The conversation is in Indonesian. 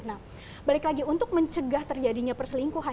nah balik lagi untuk mencegah terjadinya perselingkuhan